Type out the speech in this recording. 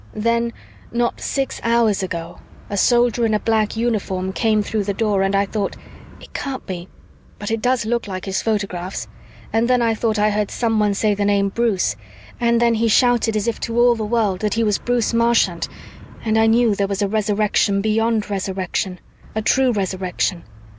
"Then, not six hours ago, a Soldier in a black uniform came through the Door and I thought, 'It can't be, but it does look like his photographs,' and then I thought I heard someone say the name Bruce, and then he shouted as if to all the world that he was Bruce Marchant, and I knew there was a Resurrection beyond Resurrection, a true resurrection.